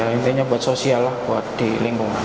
intinya buat sosial lah buat di lingkungan